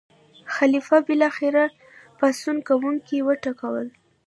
خلیفه بالاخره پاڅون کوونکي وټکول.